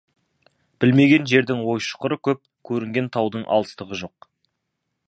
Білмеген жердің ой-шұқыры көп, көрінген таудың алыстығы жоқ.